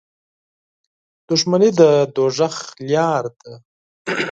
• دښمني د دوزخ لاره ده.